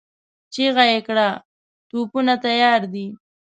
چيغه يې کړه! توپونه تيار دي؟